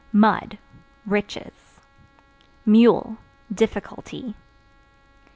Mud Riches. Mule Difficulty.